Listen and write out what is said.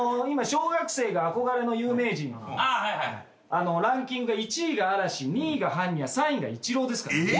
今小学生が憧れの有名人のランキングが１位が嵐２位がはんにゃ３位がイチローですから。